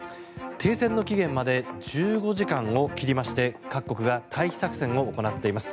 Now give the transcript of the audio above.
停戦の期限まで１５時間を切りまして各国が退避作戦を行っています。